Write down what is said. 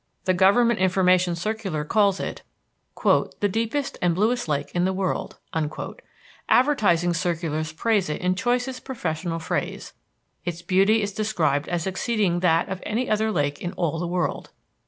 The government information circular calls it "the deepest and bluest lake in the world." Advertising circulars praise it in choicest professional phrase. Its beauty is described as exceeding that of any other lake in all the world.